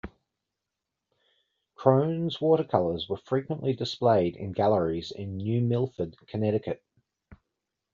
Crohn's watercolors were frequently displayed in galleries in New Milford, Connecticut.